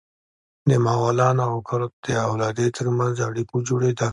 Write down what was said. د مغولانو او کرت د اولادې تر منځ اړیکو جوړېدل.